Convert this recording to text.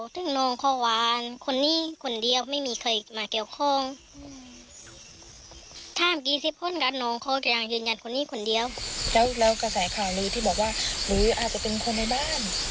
แล้วกระแสข่าวลือที่บอกว่าหรืออาจจะเป็นคนในบ้าน